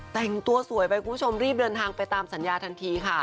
แต่งตัวสวยไปคุณผู้ชมรีบเดินทางไปตามสัญญาทันทีค่ะ